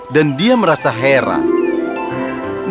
dan dia merasa heran